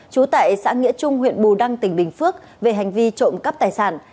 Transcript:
trú tại xã nghĩa trung huyện bù đăng tỉnh bình phước về hành vi trộm cắp tài sản